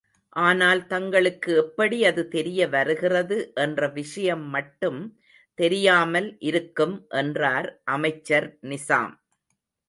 ஆனால் தங்களுக்கு எப்படி அது தெரியவருகிறது என்ற விஷயம் மட்டும் தெரியாமல் இருக்கும் என்றார் அமைச்சர் நிசாம்.